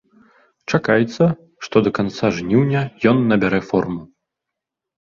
Чакаецца, што да канца жніўня ён набярэ форму.